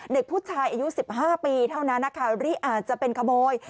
เด็กผู้ชายอายุ๑๕ปีเท่านั้นนะคะหรืออาจจะเป็นขโมย